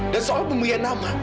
dan soal pemberian nama